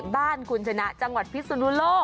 บ้านคุณชนะจังหวัดพิศนุโลก